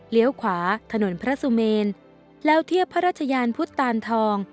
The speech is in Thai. ขวาถนนพระสุเมนแล้วเทียบพระราชยานพุทธตานทอง